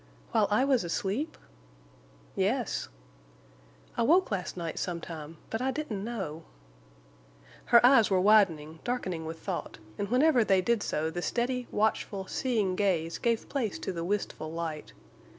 "While I was asleep?" "Yes." "I woke last night sometime—but I didn't know." Her eyes were widening, darkening with thought, and whenever they did so the steady, watchful, seeing gaze gave place to the wistful light.